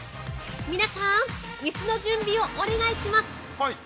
皆さん椅子の準備をお願いします。